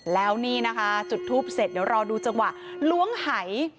แล้วนี่นะคะจุดทูปเสร็จเดี๋ยวรอดูจังหวะล้วงหาย